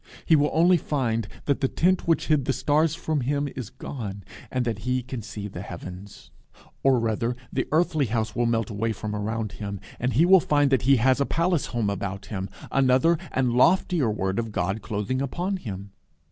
He will only find that the tent which hid the stars from him is gone, and that he can see the heavens; or rather, the earthly house will melt away from around him, and he will find that he has a palace home about him, another and loftier word of God clothing upon him.